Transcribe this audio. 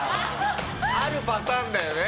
あるパターンだよね。